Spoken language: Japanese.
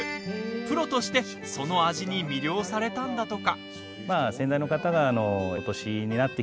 プロとしてその味に魅了されたんだとか。